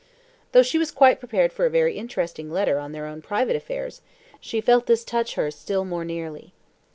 Though she was quite prepared for a very interesting letter on their own private affairs, she felt this touch her still more nearly.